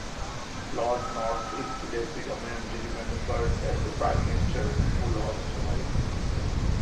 Lord North is today predominantly remembered as the Prime Minister "who lost America".